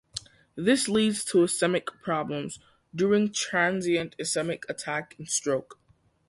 This leads to ischemic problems including transient ischemic attack and stroke.